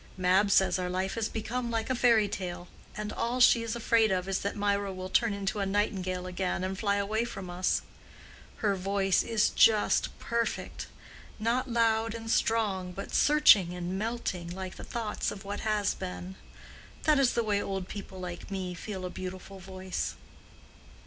Mab says our life has become like a fairy tale, and all she is afraid of is that Mirah will turn into a nightingale again and fly away from us. Her voice is just perfect: not loud and strong, but searching and melting, like the thoughts of what has been. That is the way old people like me feel a beautiful voice."